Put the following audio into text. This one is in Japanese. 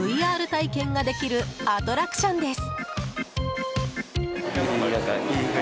ＶＲ体験ができるアトラクションです。